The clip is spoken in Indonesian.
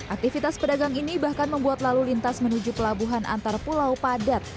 aktivitas pedagang ini bahkan membuat lalu lintas menuju pelabuhan antar pulau padat